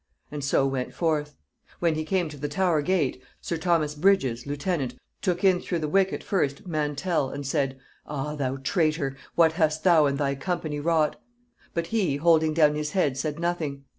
And so went forth. When he came to the Tower gate, sir Thomas Bridges lieutenant took in through the wicket first Mantell, and said; 'Ah thou traitor! what hast thou and thy company wrought?' But he, holding down his head, said nothing.